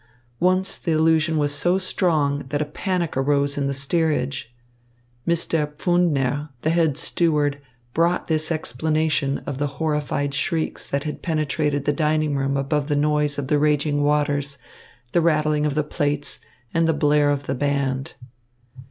Once the illusion was so strong that a panic arose in the steerage. Mr. Pfundner, the head steward, brought this explanation of the horrified shrieks that had penetrated the dining room above the noise of the raging waters, the rattling of the plates and the blare of the band.